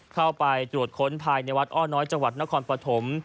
เข้าไปตรวจค้นภายในวัดอ้อน้อยจังหวัดนครปฐม